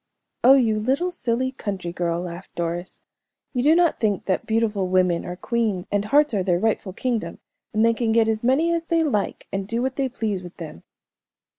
"Oh, you little silly country girl," laughed Doris, "you do not think that beautiful women are queens, and hearts are their rightful kingdom, and they can get as many as they like, and do what they please with them."